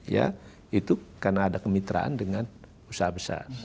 ya itu karena ada kemitraan dengan usaha besar